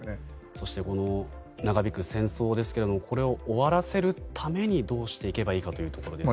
そして長引く戦争ですけどもこれを終わらせるためにどうしていけばいいかというところですね。